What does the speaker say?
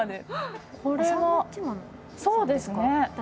そうですね。